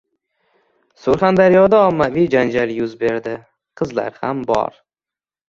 Surxondaryoda ommaviy janjal yuz berdi. Qizlar ham bor